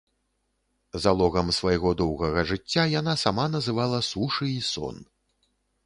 Залогам свайго доўгага жыцця яна сама называла сушы і сон.